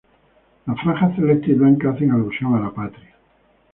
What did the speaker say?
Las franjas celestes y blanca hacen alusión a la patria.